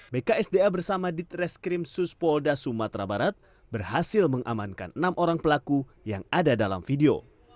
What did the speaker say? berhasil mengamankan enam orang pelaku yang ada dalam video